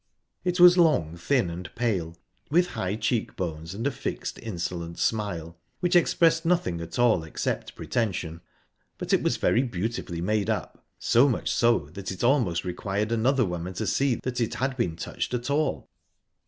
It was long, thin, and pale, with high cheek bones and a fixed, insolent smile, which expressed nothing at all except pretension. But it was very beautifully made up so much so that it almost required another woman to see that it had been touched at all.